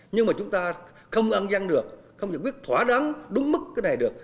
nhưng mà chúng ta không ăn dăng được không giải quyết thỏa đắng đúng mức cái này được